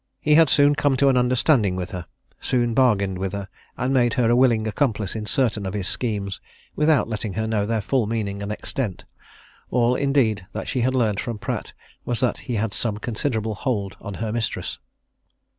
He had soon come to an understanding with her; soon bargained with her, and made her a willing accomplice in certain of his schemes, without letting her know their full meaning and extent: all, indeed, that she had learned from Pratt was that he had some considerable hold on her mistress.